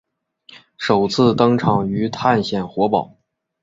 首次登场于探险活宝。